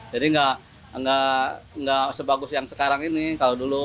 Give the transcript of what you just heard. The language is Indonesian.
jadi nggak sebagus yang sekarang ini kalau dulu